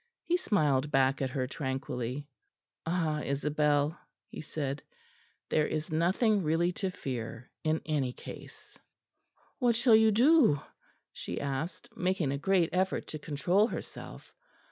He smiled back at her tranquilly. "Ah, Isabel!" he said, "there is nothing really to fear, in any case." "What shall you do?" she asked, making a great effort to control herself.